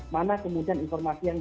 mana kemudian informasi yang